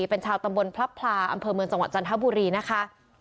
เป็นชาวตำบลพลับพลาอำเภอเมืองจังหวัดจันทบุรีนะคะ